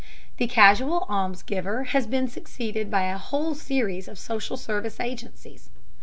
The casual almsgiver has been succeeded by a whole series of social service agencies.